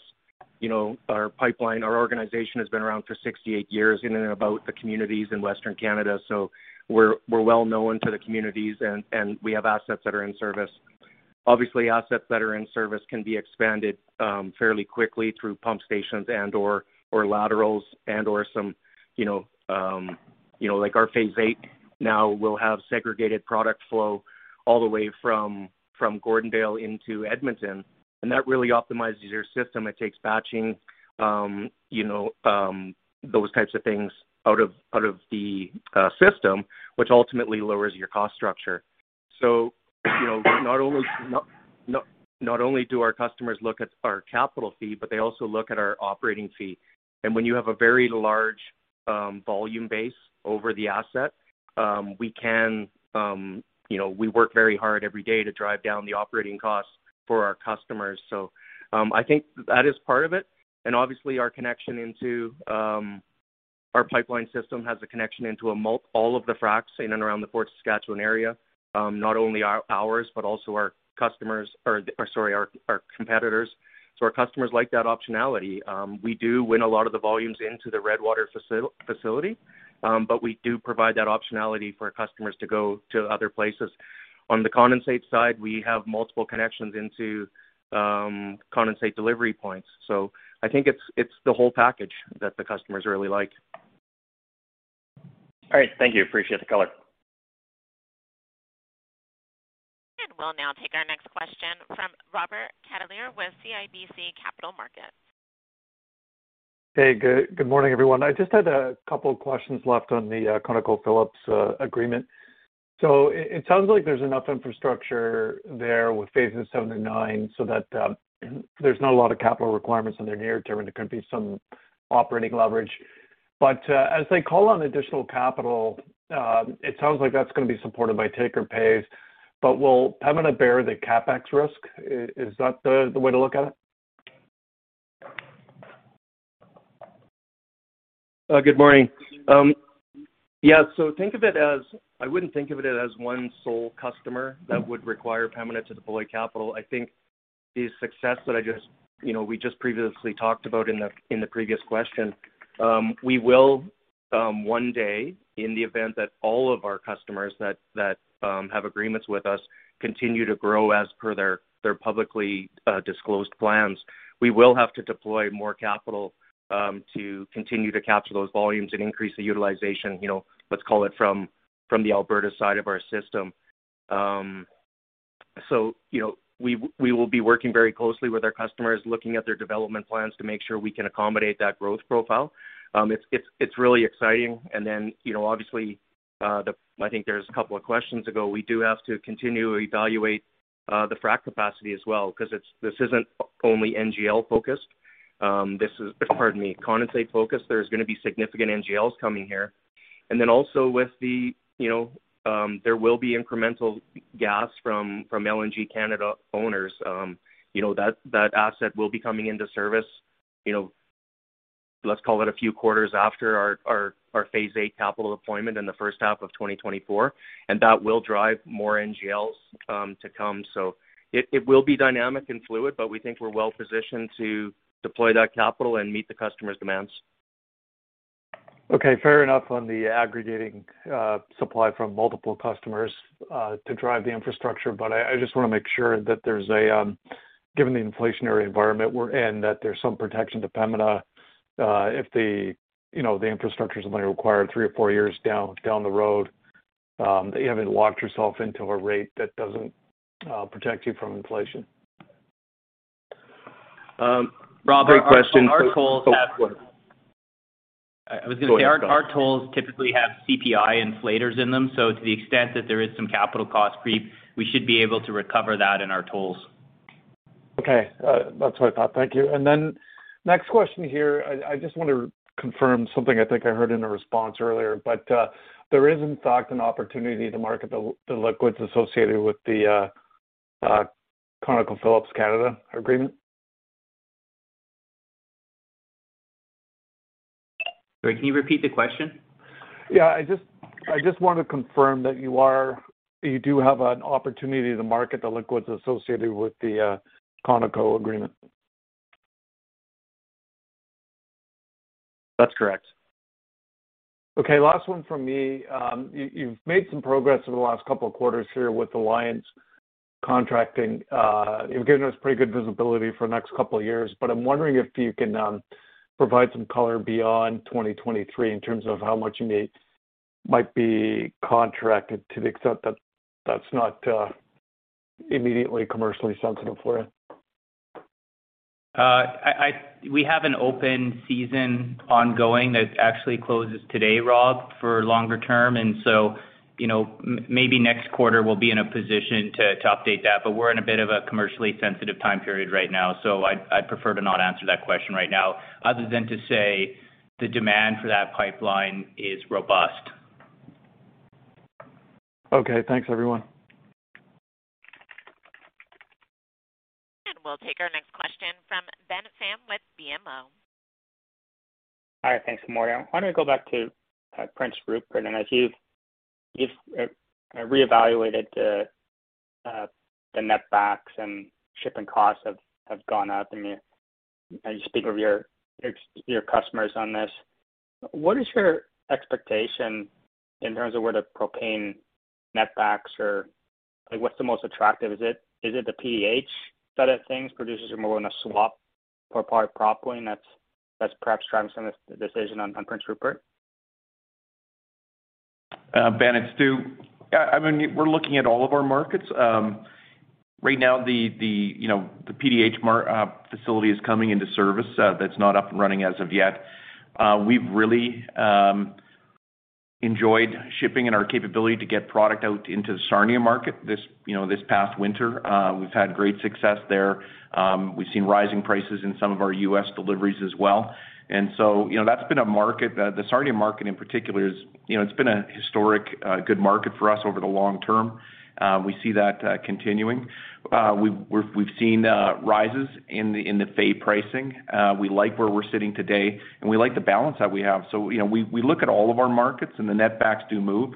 you know, our pipeline, our organization has been around for 68 years in and about the communities in Western Canada. We're well-known to the communities and we have assets that are in service. Obviously, assets that are in service can be expanded fairly quickly through pump stations and/or laterals and/or some, you know, like our phase VIII now will have segregated product flow all the way from Gordondale into Edmonton. That really optimizes your system. It takes batching, you know, those types of things out of the system, which ultimately lowers your cost structure. You know, not only do our customers look at our capital fee, but they also look at our operating fee. When you have a very large volume base over the asset, we can, you know, we work very hard every day to drive down the operating costs for our customers. I think that is part of it. Obviously, our connection into our pipeline system has a connection into all of the fracs in and around the Fort Saskatchewan area, not only ours, but also our competitors. Our customers like that optionality. We do win a lot of the volumes into the Redwater facility, but we do provide that optionality for our customers to go to other places. On the condensate side, we have multiple connections into condensate delivery points. I think it's the whole package that the customers really like. All right. Thank you. Appreciate the color. We'll now take our next question from Robert Catellier with CIBC Capital Markets. Good morning, everyone. I just had a couple of questions left on the ConocoPhillips agreement. It sounds like there's enough infrastructure there with phases VII to IX so that there's not a lot of capital requirements in the near term, and there could be some operating leverage. As they call on additional capital, it sounds like that's gonna be supported by take-or-pay. Will Pembina bear the CapEx risk? Is that the way to look at it? Good morning. Think of it as I wouldn't think of it as one sole customer that would require Pembina to deploy capital. I think the success that I just, you know, we just previously talked about in the previous question, we will one day, in the event that all of our customers that have agreements with us continue to grow as per their publicly disclosed plans, we will have to deploy more capital to continue to capture those volumes and increase the utilization, you know, let's call it from the Alberta side of our system. You know, we will be working very closely with our customers, looking at their development plans to make sure we can accommodate that growth profile. It's really exciting. You know, obviously, I think there's a couple of questions ago. We do have to continue to evaluate the frac capacity as well because this isn't only NGL focused. This is, pardon me, condensate focused. There's gonna be significant NGLs coming here. With the, you know, there will be incremental gas from LNG Canada owners. That asset will be coming into service, let's call it a few Q1s after our phase VIII capital deployment in the first half of 2024, and that will drive more NGLs to come. It will be dynamic and fluid, but we think we're well-positioned to deploy that capital and meet the customer's demands. Okay, fair enough on the aggregating supply from multiple customers to drive the infrastructure. I just wanna make sure that, given the inflationary environment we're in, there's some protection to Pembina if, you know, the infrastructure is gonna require three or four years down the road that you haven't locked yourself into a rate that doesn't protect you from inflation. Rob Great question. Our tolls have- Go ahead. I was gonna say our tolls typically have CPI inflators in them. To the extent that there is some capital cost creep, we should be able to recover that in our tolls. Okay. That's what I thought. Thank you. Then next question here, I just want to confirm something I think I heard in a response earlier. There is in fact an opportunity to market the liquids associated with the ConocoPhillips Canada agreement? Sorry, can you repeat the question? Yeah. I just wanted to confirm that you do have an opportunity to market the liquids associated with the Conoco agreement. That's correct. Last one from me. You've made some progress in the last couple of Q1s here with Alliance Pipeline. You've given us pretty good visibility for the next couple of years, but I'm wondering if you can provide some color beyond 2023 in terms of how much you need might be contracted to the extent that that's not immediately commercially sensitive for you. We have an open season ongoing that actually closes today, Rob, for longer term. You know, maybe next Q1 we'll be in a position to update that, but we're in a bit of a commercially sensitive time period right now. I'd prefer to not answer that question right now, other than to say the demand for that pipeline is robust. Okay. Thanks, everyone. We'll take our next question from Ben Pham with BMO. Hi. Thanks, Maria. I wanna go back to Prince Rupert. As you've reevaluated the netbacks and shipping costs have gone up, and you, as you speak with your customers on this, what is your expectation in terms of where the propane netbacks are? Like, what's the most attractive? Is it the PDH side of things, producers are more gonna swap for part of the propane that's perhaps driving some of this decision on Prince Rupert? Ben, it's Stu. I mean, we're looking at all of our markets. Right now, the PDH facility is coming into service, that's not up and running as of yet. We've really enjoyed shipping and our capability to get product out into the Sarnia market this past winter. We've had great success there. We've seen rising prices in some of our U.S. deliveries as well. You know, that's been a market. The Sarnia market, in particular, you know, it's been a historic good market for us over the long term. We see that continuing. We've seen rises in the FEI pricing. We like where we're sitting today, and we like the balance that we have. You know, we look at all of our markets and the netbacks do move.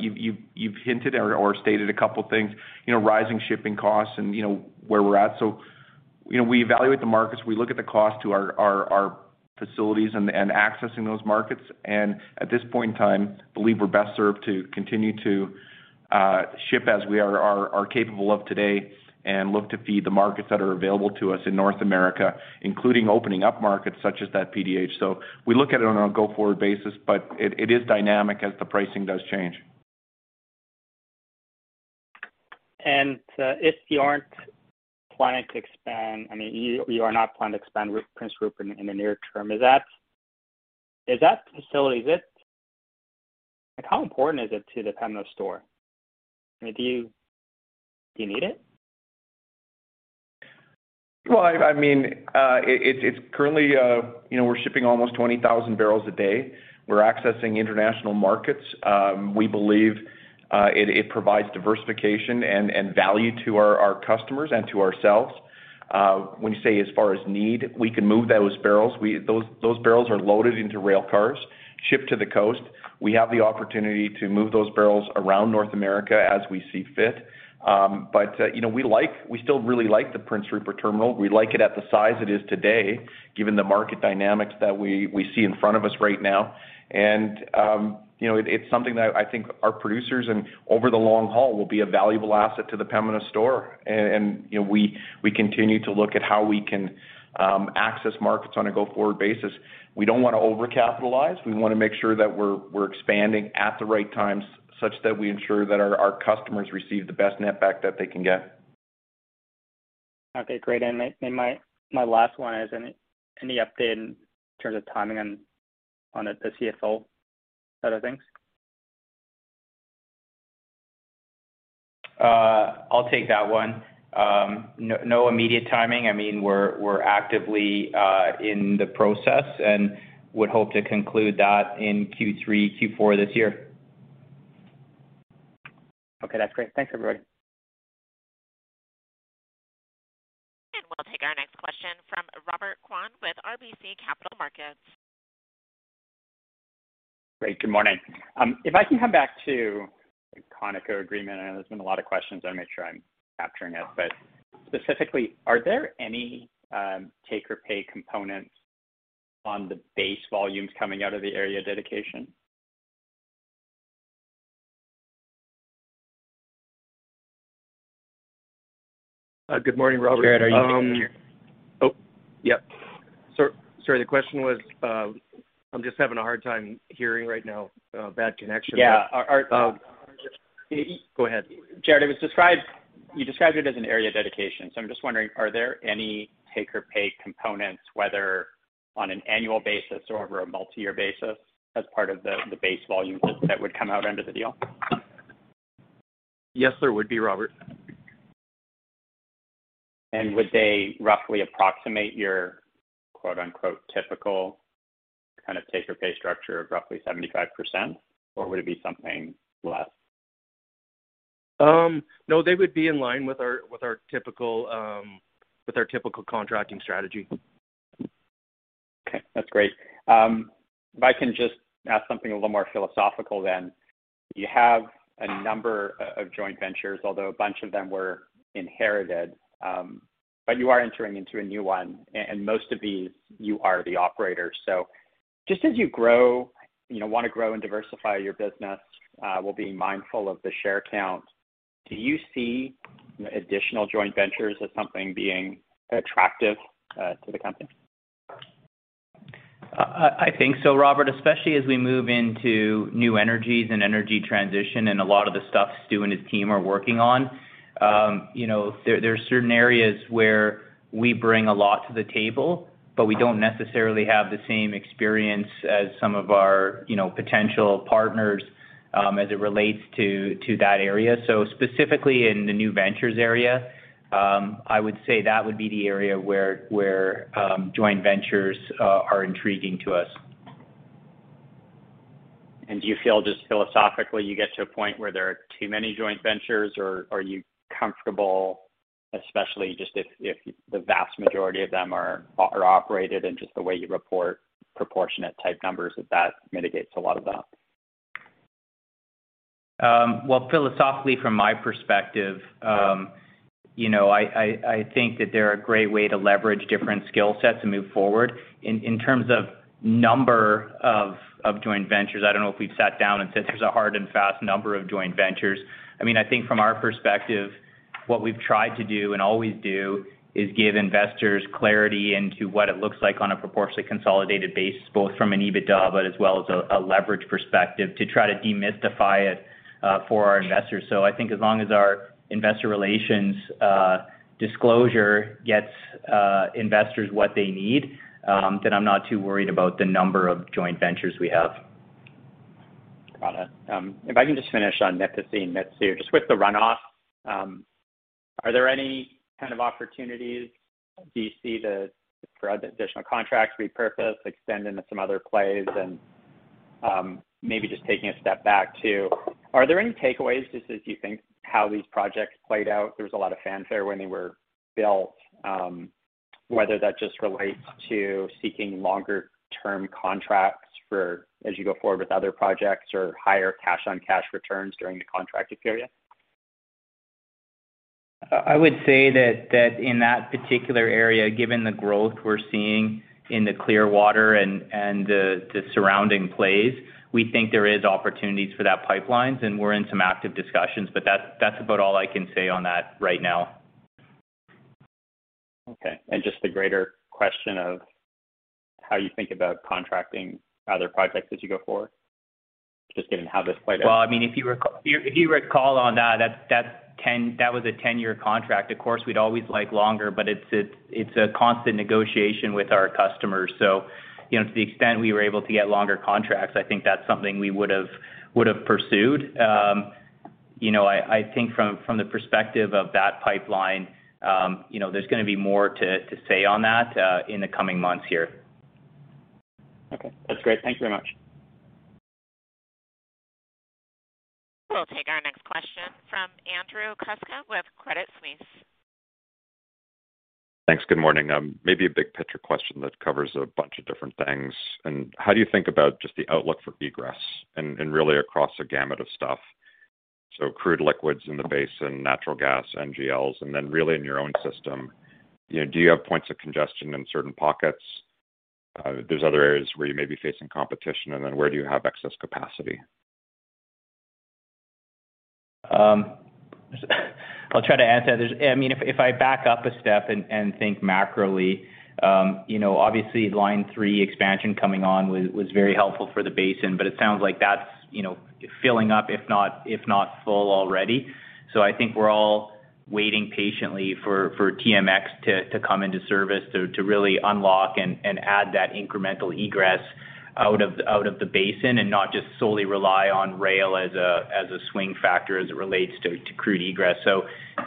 You've hinted or stated a couple things, you know, rising shipping costs and, you know, where we're at. You know, we evaluate the markets, we look at the cost to our facilities and accessing those markets. At this point in time, believe we're best served to continue to ship as we are capable of today and look to feed the markets that are available to us in North America, including opening up markets such as that PDH. We look at it on a go-forward basis, but it is dynamic as the pricing does change. If you aren't planning to expand, I mean, you are not planning to expand with Prince Rupert in the near term. Is that facility like how important is it to the Pembina story? I mean, do you need it? Well, I mean, it's currently, you know, we're shipping almost 20,000 barrels a day. We're accessing international markets. We believe it provides diversification and value to our customers and to ourselves. When you say as far as need, we can move those barrels. Those barrels are loaded into rail cars, shipped to the coast. We have the opportunity to move those barrels around North America as we see fit. You know, we still really like the Prince Rupert Terminal. We like it at the size it is today, given the market dynamics that we see in front of us right now. You know, it's something that I think our producers and over the long haul will be a valuable asset to the Pembina story. You know, we continue to look at how we can access markets on a go-forward basis. We don't wanna overcapitalize. We wanna make sure that we're expanding at the right times such that we ensure that our customers receive the best netback that they can get. Okay, great. My last one is: Any update in terms of timing on the CFO side of things? I'll take that one. No immediate timing. I mean, we're actively in the process and would hope to conclude that in Q3, Q4 this year. Okay, that's great. Thanks, everybody. We'll take our next question from Robert Kwan with RBC Capital Markets. Great. Good morning. If I can come back to the Conoco agreement, I know there's been a lot of questions. I wanna make sure I'm capturing it. Specifically, are there any take-or-pay components on the base volumes coming out of the area dedication? Good morning, Robert. Jaret, are you? Oh, yep. Sorry, the question was, I'm just having a hard time hearing right now. Bad connection. Yeah. Are Go ahead. Jaret, it was described. You described it as an area dedication, so I'm just wondering, are there any take-or-pay components, whether on an annual basis or over a multi-year basis as part of the base volumes that would come out under the deal? Yes, there would be, Robert. Would they roughly approximate your, quote-unquote, typical kind of take-or-pay structure of roughly 75%, or would it be something less? No, they would be in line with our typical contracting strategy. Okay, that's great. If I can just ask something a little more philosophical then. You have a number of joint ventures, although a bunch of them were inherited, but you are entering into a new one, and most of these you are the operator. Just as you grow, you know, wanna grow and diversify your business, while being mindful of the share count, do you see additional joint ventures as something being attractive to the company? I think so, Robert, especially as we move into new energies and energy transition and a lot of the stuff Stu and his team are working on. You know, there are certain areas where we bring a lot to the table, but we don't necessarily have the same experience as some of our, you know, potential partners, as it relates to that area. Specifically in the new ventures area, I would say that would be the area where joint ventures are intriguing to us. Do you feel just philosophically, you get to a point where there are too many joint ventures or you comfortable, especially just if the vast majority of them are non-operated, and just the way you report proportionate type numbers, if that mitigates a lot of that? Well, philosophically, from my perspective, you know, I think that they're a great way to leverage different skill sets and move forward. In terms of number of joint ventures, I don't know if we've sat down and said there's a hard and fast number of joint ventures. I mean, I think from our perspective, what we've tried to do and always do is give investors clarity into what it looks like on a proportionally consolidated basis, both from an EBITDA but as well as a leverage perspective to try to demystify it, for our investors. I think as long as our investor relations disclosure gets investors what they need, then I'm not too worried about the number of joint ventures we have. Got it. If I can just finish on Nipisi and Mitsue, just with the runoff, are there any kind of opportunities do you see to, for additional contracts repurposed, extend into some other plays? Maybe just taking a step back too, are there any takeaways, just as you think how these projects played out? There was a lot of fanfare when they were built, whether that just relates to seeking longer term contracts for as you go forward with other projects or higher cash on cash returns during the contracted period. I would say that in that particular area, given the growth we're seeing in the Clearwater and the surrounding plays, we think there is opportunities for those pipelines, and we're in some active discussions, but that's about all I can say on that right now. Okay. Just the greater question of how you think about contracting other projects as you go forward, just given how this played out. Well, I mean, if you recall on that was a 10-year contract. Of course, we'd always like longer, but it's a constant negotiation with our customers. You know, to the extent we were able to get longer contracts, I think that's something we would have pursued. You know, I think from the perspective of that pipeline, you know, there's gonna be more to say on that in the coming months here. Okay. That's great. Thank you very much. We'll take our next question from Andrew Kuske with Credit Suisse. Thanks. Good morning. Maybe a big picture question that covers a bunch of different things. How do you think about just the outlook for egress and really across a gamut of stuff? Crude liquids in the basin, natural gas, NGLs, and then really in your own system, you know, do you have points of congestion in certain pockets? There's other areas where you may be facing competition, and then where do you have excess capacity? I'll try to answer that. I mean, if I back up a step and think macroly, you know, obviously Line 3 expansion coming on was very helpful for the basin, but it sounds like that's, you know, filling up, if not full already. I think we're all waiting patiently for TMX to come into service to really unlock and add that incremental egress out of the basin and not just solely rely on rail as a swing factor as it relates to crude egress.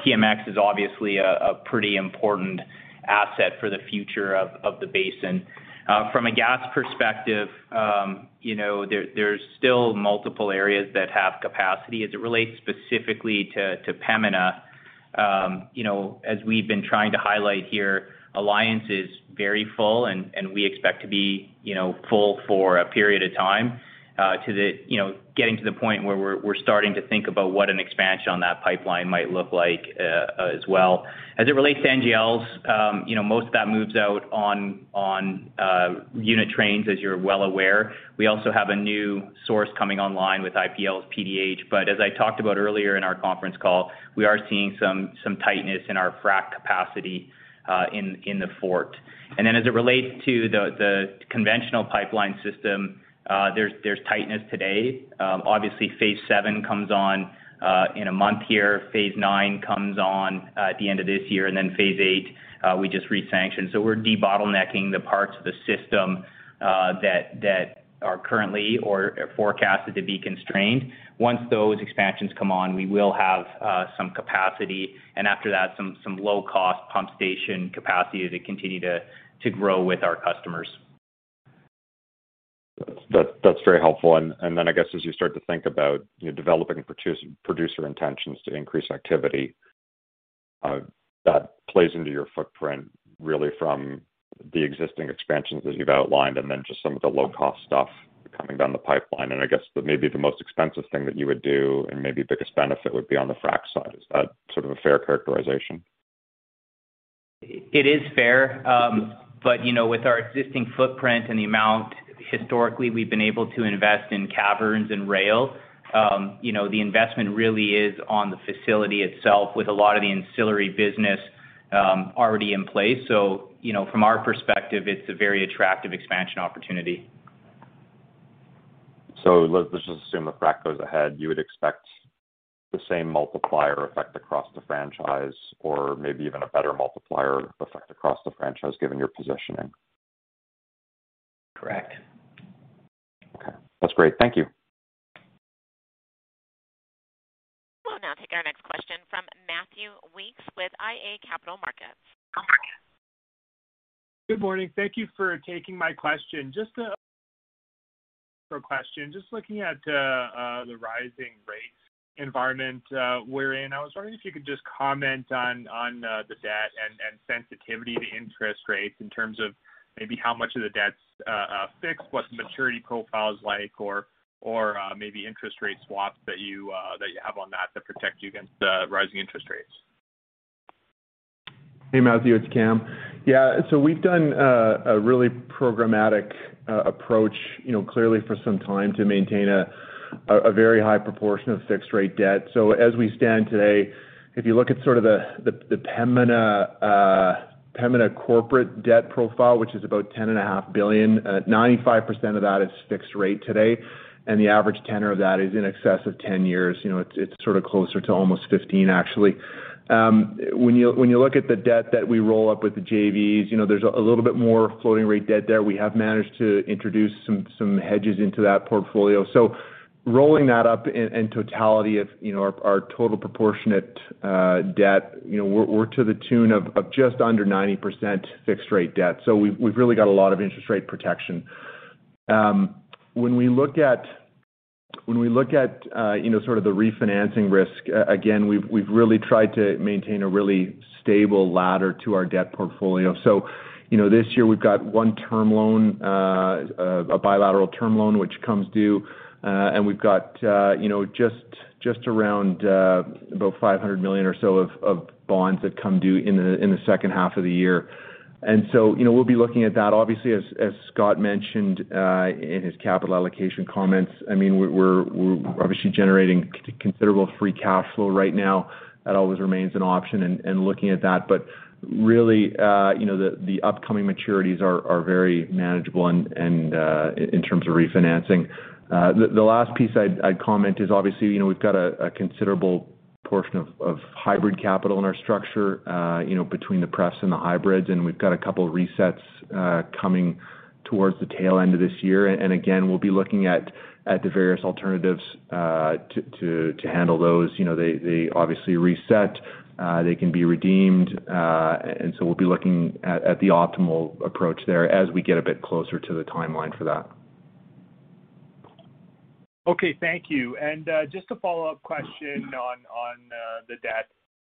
TMX is obviously a pretty important asset for the future of the basin. From a gas perspective, you know, there's still multiple areas that have capacity. As it relates specifically to Pembina, you know, as we've been trying to highlight here, Alliance is very full and we expect to be, you know, full for a period of time, to the point where we're starting to think about what an expansion on that pipeline might look like, as well. As it relates to NGLs, you know, most of that moves out on unit trains, as you're well aware. We also have a new source coming online with IPL's PDH. As I talked about earlier in our conference call, we are seeing some tightness in our frac capacity in the Fort. As it relates to the conventional pipeline system, there's tightness today. Obviously phase VII comes on in a month here. Phase IX comes on at the end of this year, and then phase VIII we just re-sanctioned. We're de-bottlenecking the parts of the system that are currently or are forecasted to be constrained. Once those expansions come on, we will have some capacity, and after that, some low-cost pump station capacity to continue to grow with our customers. That's very helpful. I guess as you start to think about, you know, developing producer intentions to increase activity, that plays into your footprint really from the existing expansions that you've outlined and then just some of the low cost stuff coming down the pipeline. I guess maybe the most expensive thing that you would do and maybe biggest benefit would be on the frac side. Is that sort of a fair characterization? It is fair. You know, with our existing footprint and the amount historically we've been able to invest in caverns and rail, you know, the investment really is on the facility itself with a lot of the ancillary business already in place. You know, from our perspective, it's a very attractive expansion opportunity. Let's just assume the frac goes ahead. You would expect the same multiplier effect across the franchise or maybe even a better multiplier effect across the franchise given your positioning? Correct. Okay. That's great. Thank you. Take our next question from Matthew Weekes with iA Capital Markets. Good morning. Thank you for taking my question. Just looking at the rising rate environment we're in, I was wondering if you could just comment on the debt and sensitivity to interest rates in terms of maybe how much of the debt's fixed, what the maturity profile is like or maybe interest rate swaps that you have on that that protect you against rising interest rates. Hey, Matthew, it's Cam. Yeah. We've done a really programmatic approach, you know, clearly for some time to maintain a very high proportion of fixed rate debt. As we stand today, if you look at sort of the Pembina corporate debt profile, which is about 10.5 billion, 95% of that is fixed rate today, and the average tenor of that is in excess of 10 years. You know, it's sort of closer to almost 15, actually. When you look at the debt that we roll up with the JVs, you know, there's a little bit more floating rate debt there. We have managed to introduce some hedges into that portfolio. Rolling that up in totality of, you know, our total proportionate debt, you know, we're to the tune of just under 90% fixed rate debt. We've really got a lot of interest rate protection. When we look at, you know, sort of the refinancing risk, again, we've really tried to maintain a really stable ladder to our debt portfolio. You know, this year we've got one term loan, a bilateral term loan, which comes due, and we've got, you know, just around about 500 million or so of bonds that come due in the second half of the year. You know, we'll be looking at that. Obviously, as Scott mentioned, in his capital allocation comments, I mean, we're obviously generating considerable free cash flow right now. That always remains an option and looking at that. Really, you know, the upcoming maturities are very manageable and in terms of refinancing. The last piece I'd comment is obviously, you know, we've got a considerable portion of hybrid capital in our structure, you know, between the prefs and the hybrids, and we've got a couple of resets coming towards the tail end of this year. Again, we'll be looking at the various alternatives to handle those. You know, they obviously reset. They can be redeemed, and so we'll be looking at the optimal approach there as we get a bit closer to the timeline for that. Okay, thank you. Just a follow-up question on the debt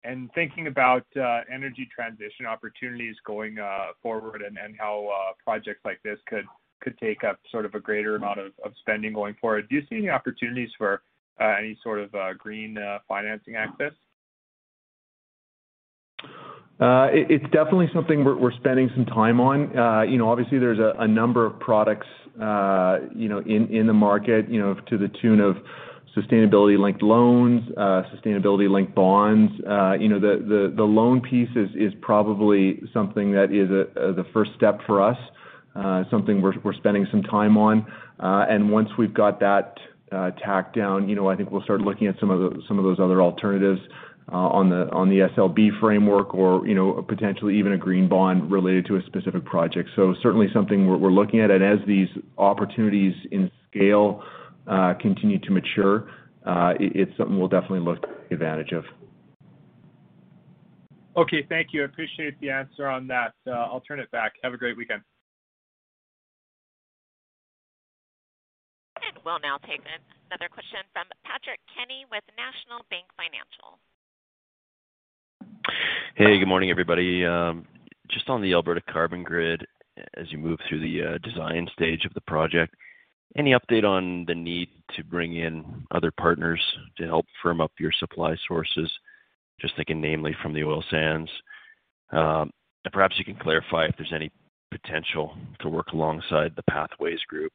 and thinking about energy transition opportunities going forward and how projects like this could take up sort of a greater amount of spending going forward. Do you see any opportunities for any sort of green financing access? It's definitely something we're spending some time on. You know, obviously there's a number of products, you know, in the market, you know, to the tune of sustainability-linked loans, sustainability-linked bonds. You know, the loan piece is probably something that is the first step for us, something we're spending some time on. Once we've got that tacked down, you know, I think we'll start looking at some of those other alternatives, on the SLB framework or, you know, potentially even a green bond related to a specific project. So certainly something we're looking at. As these opportunities at scale continue to mature, it's something we'll definitely look to take advantage of. Okay. Thank you. I appreciate the answer on that. I'll turn it back. Have a great weekend. We'll now take another question from Patrick Kenny with National Bank Financial. Hey, good morning, everybody. Just on the Alberta Carbon Grid, as you move through the design stage of the project, any update on the need to bring in other partners to help firm up your supply sources? Just thinking namely from the oil sands. Perhaps you can clarify if there's any potential to work alongside the Pathways Alliance,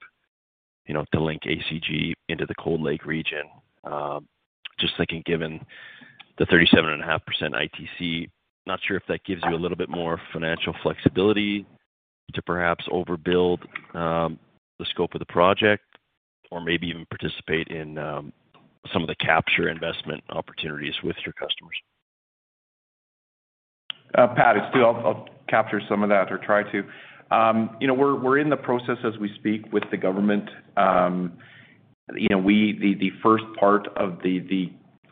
you know, to link ACG into the Cold Lake region. Just thinking, given the 37.5% ITC, not sure if that gives you a little bit more financial flexibility to perhaps overbuild the scope of the project or maybe even participate in some of the capture investment opportunities with your customers. Pat, it's Stu. I'll capture some of that or try to. You know, we're in the process as we speak with the government. You know, the first part of the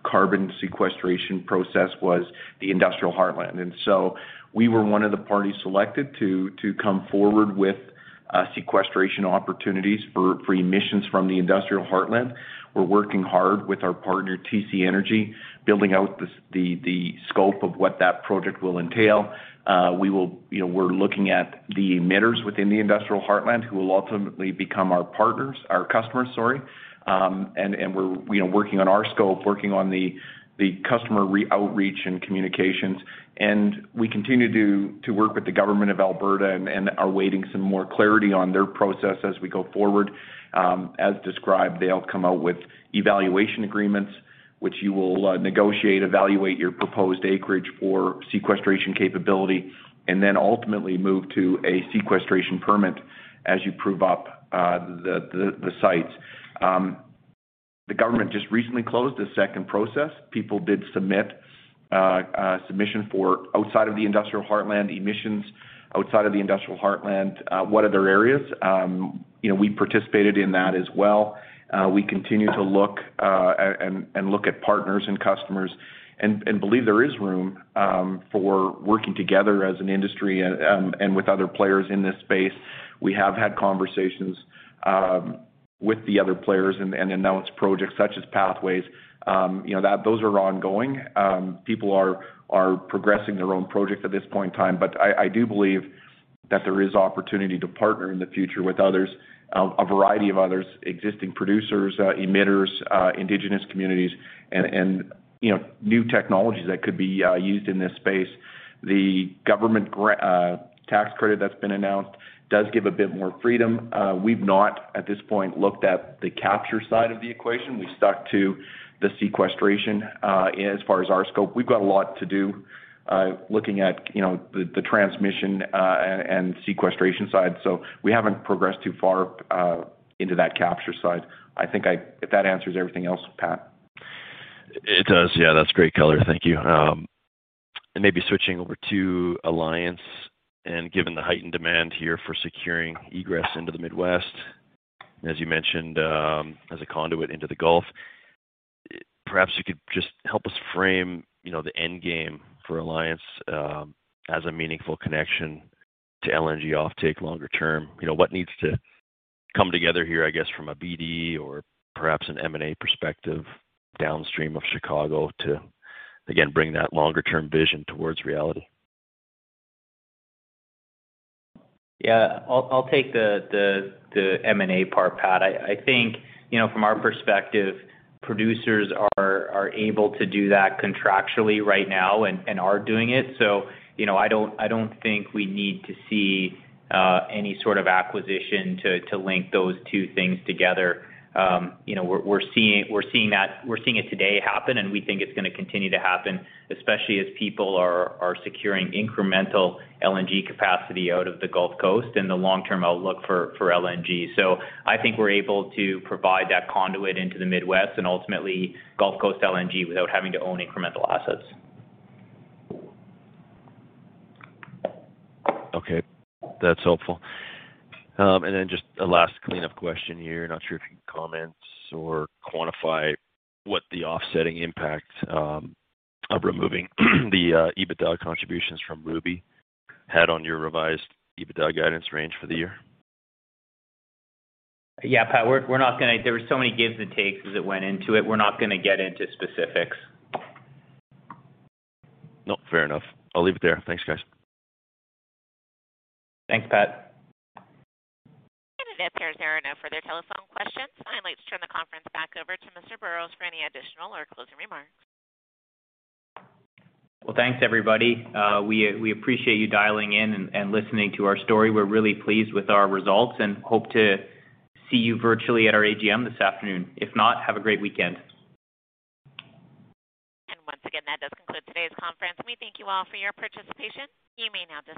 carbon sequestration process was the Industrial Heartland. We were one of the parties selected to come forward with sequestration opportunities for emissions from the Industrial Heartland. We're working hard with our partner, TC Energy, building out the scope of what that project will entail. You know, we're looking at the emitters within the Industrial Heartland who will ultimately become our partners, our customers, sorry. And we're working on our scope, working on the customer outreach and communications. We continue to work with the Government of Alberta and are awaiting some more clarity on their process as we go forward. As described, they'll come out with evaluation agreements, which you will negotiate, evaluate your proposed acreage for sequestration capability, and then ultimately move to a sequestration permit as you prove up the sites. The government just recently closed a second process. People did submit a submission for outside of the Industrial Heartland emissions, outside of the Industrial Heartland, what other areas? You know, we participated in that as well. We continue to look and look at partners and customers and believe there is room for working together as an industry and with other players in this space. We have had conversations with the other players and announced projects such as Pathways. You know, those are ongoing. People are progressing their own project at this point in time, but I do believe that there is opportunity to partner in the future with others, a variety of others, existing producers, emitters, indigenous communities and, you know, new technologies that could be used in this space. The government tax credit that's been announced does give a bit more freedom. We've not, at this point, looked at the capture side of the equation. We've stuck to the sequestration as far as our scope. We've got a lot to do looking at, you know, the transmission and sequestration side. We haven't progressed too far into that capture side. I think if that answers everything else, Pat. It does. Yeah, that's great color. Thank you. Maybe switching over to Alliance, and given the heightened demand here for securing egress into the Midwest, as you mentioned, as a conduit into the Gulf, perhaps you could just help us frame, you know, the end game for Alliance, as a meaningful connection to LNG offtake longer term. You know, what needs to come together here, I guess, from a BD or perhaps an M&A perspective downstream of Chicago to, again, bring that longer term vision towards reality? Yeah. I'll take the M&A part, Pat. I think, you know, from our perspective, producers are able to do that contractually right now and are doing it. You know, I don't think we need to see any sort of acquisition to link those two things together. You know, we're seeing it today happen, and we think it's gonna continue to happen, especially as people are securing incremental LNG capacity out of the Gulf Coast and the long-term outlook for LNG. I think we're able to provide that conduit into the Midwest and ultimately Gulf Coast LNG without having to own incremental assets. Okay. That's helpful. Just a last cleanup question here. Not sure if you can comment or quantify what the offsetting impact of removing the EBITDA contributions from Ruby had on your revised EBITDA guidance range for the year. Yeah, Pat, we're not gonna. There were so many gives and takes as it went into it. We're not gonna get into specifics. No, fair enough. I'll leave it there. Thanks, guys. Thanks, Pat. It appears there are no further telephone questions. I'd like to turn the conference back over to Mr. Burrows for any additional or closing remarks. Well, thanks everybody. We appreciate you dialing in and listening to our story. We're really pleased with our results and hope to see you virtually at our AGM this afternoon. If not, have a great weekend. Once again, that does conclude today's conference. We thank you all for your participation. You may now disconnect.